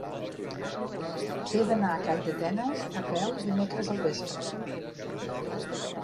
He d'anar a Calldetenes a peu dimecres al vespre.